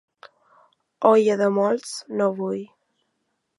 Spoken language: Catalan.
Olla de molts, no bull.